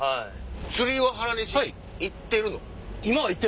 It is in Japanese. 釣りは原西行ってるの？